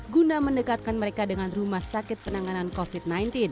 guna mendekatkan mereka dengan rumah sakit penanganan covid sembilan belas